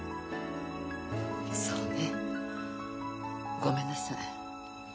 そうね。ごめんなさい。